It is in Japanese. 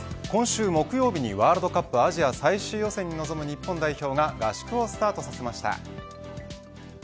今週木曜日にワールドカップアジア最終予選に臨む日本代表が合宿をスタートさせました。